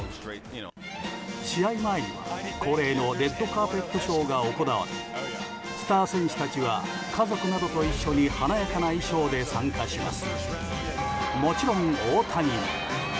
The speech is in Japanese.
試合前には恒例のレッドカーペットショーが行われスター選手たちは家族などと一緒に華やかな衣装で参加します。